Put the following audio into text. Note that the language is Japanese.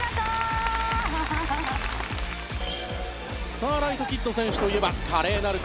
スターライト・キッド選手といえば華麗なる